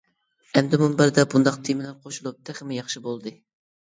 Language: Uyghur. ئەمدى مۇنبەردە بۇنداق تېمىلار قوشۇلۇپ تېخىمۇ ياخشى بولدى.